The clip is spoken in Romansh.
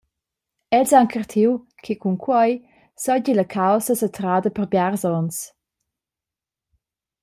Els han cartiu che cun quei seigi la caussa satrada per biars onns.